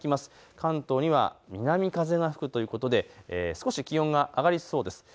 関東は南風が吹くということで少し気温が上がりそうです。